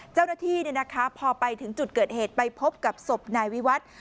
เจ้าหน้าที่พอไปถึงจุดเกิดเหตุไปพบกับศพนายวิวัตร